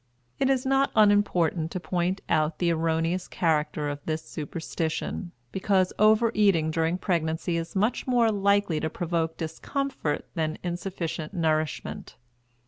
It is not unimportant to point out the erroneous character of this superstition, because overeating during pregnancy is much more likely to provoke discomfort than insufficient nourishment.